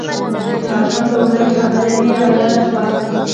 د هاشم لوګرې خبره مې را یاده شوه